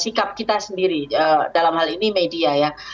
sikap kita sendiri dalam hal ini media ya